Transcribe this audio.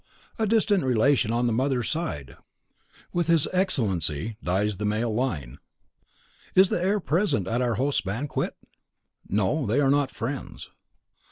"A distant relation on the mother's side; with his Excellency dies the male line." "Is the heir present at our host's banquet?" "No; they are not friends."